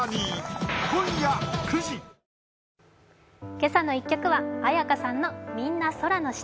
「けさの１曲」は絢香さんの「みんな空の下」。